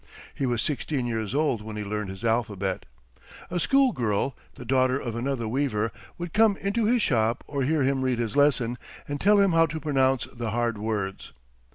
He was sixteen years old when he learned his alphabet. A school girl, the daughter of another weaver, would come into his shop to hear him read his lesson, and tell him how to pronounce the hard words.